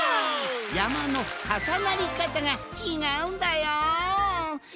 やまのかさなりかたがちがうんだよん。